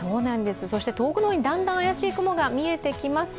そして、遠くのほうにだんだん怪しい雲が出てきます。